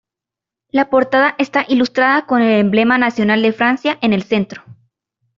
La portada está ilustrada con el Emblema nacional de Francia al centro.